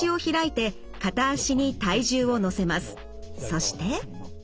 そして。